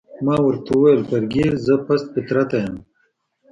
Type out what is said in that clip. ما ورته وویل: فرګي، زه پست فطرته یم؟